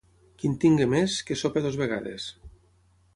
Qui en tingui més, que sopi dues vegades.